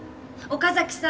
岡崎さん！